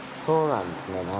そうなんですね。